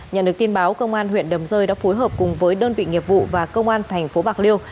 nhận được tin báo công an huyện đầm rơi đã phối hợp cùng với đơn vị nghiệp vụ và công an thành phố bạc liêu